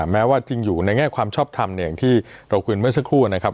แม้ว่าจริงอยู่ในแง่ความชอบทำที่เราคุยกันเมื่อสักครู่